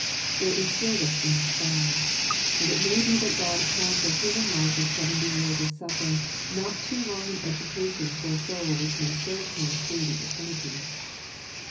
" There is service in the sky." And it may be that God counts a human life of seventy years of suffering not too long an education for a soul which may serve Him through the eternities.